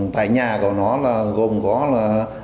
tại nhà của nó là gồm có là